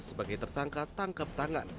sebagai tersangka tangkap tangan